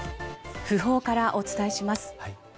訃報からお伝えします。